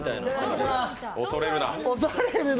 恐れるな。